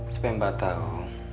supaya mbak tahu